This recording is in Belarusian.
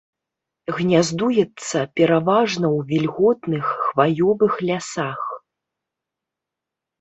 Гняздуецца пераважна ў вільготных хваёвых лясах.